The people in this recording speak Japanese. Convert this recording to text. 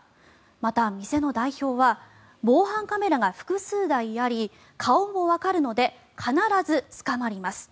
また、店の代表は防犯カメラが複数台あり顔もわかるので必ず捕まります。